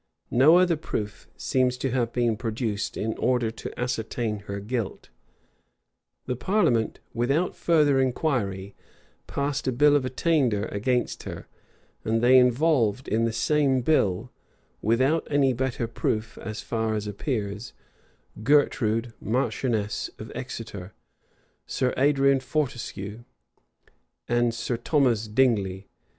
[*] No other proof seems to have been produced in order to ascertain her guilt: the parliament, without further inquiry, passed a bill of attainder against her; and they involved in the same bill, without any better proof, as far as appears, Gertrude marchioness of Exeter, Sir Adrian Fortescue, and Sir Thomas Dingley.